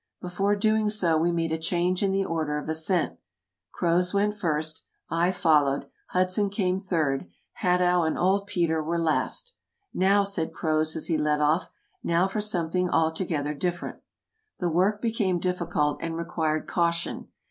Before doing so we made a change in the order of ascent. Croz went first, I followed, Hudson came third; Hadow and eld Peter were last. "Now," said Croz as he led off —" now for something altogether differ ent." The work became difficult, and required caution.